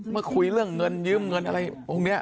มาคุยเรื่องเงินยืมเงินอะไรพวกนี้